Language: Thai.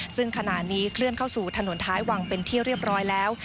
ซึ่งขณะนี้เคลื่อนเข้าสู่ถนนท้ายวังเป็นที่เรียบร้อยแล้ว